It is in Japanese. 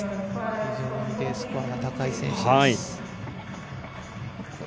非常にＤスコアの高い選手です。